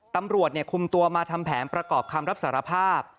ตำรวจคุมตัวมาทำแผนประกอบคำรับสารภาพ